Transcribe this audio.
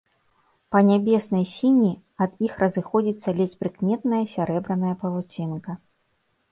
Па нябеснай сіні ад іх разыходзіцца ледзь прыкметная сярэбраная павуцінка.